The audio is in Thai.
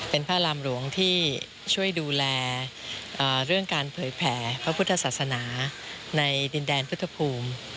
เป็นพระรามหลวงที่ช่วยดูแลเรื่องการเผยแผ่พระพุทธศาสนาในดินแดนพุทธภูมิ